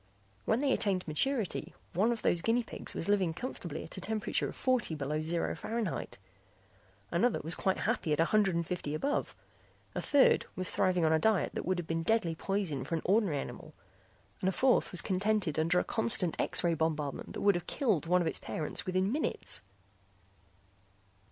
When they attained maturity one of those guinea pigs was living comfortably at a temperature of forty below zero Fahrenheit, another was quite happy at a hundred and fifty above. A third was thriving on a diet that would have been deadly poison for an ordinary animal and a fourth was contented under a constant X ray bombardment that would have killed one of its parents within minutes.